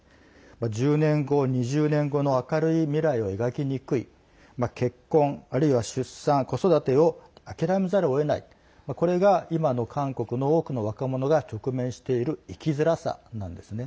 １０年後、２０年後の明るい未来を描きにくい結婚、出産、子育てを諦めざるをえないこれが今の韓国の多くの若者が直面している生きづらさなんですね。